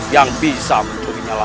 yang bisa mencuri nyala